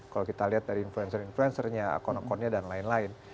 kalau kita lihat dari influencer influencernya akun akunnya dan lain lain